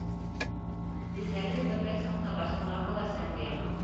Билдәле, бындай саҡта башҡаларҙа ла сәм уяна.